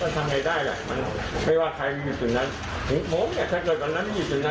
ถ้าเกิดข้อนั้นอยู่นั้นเราก็ยังโดน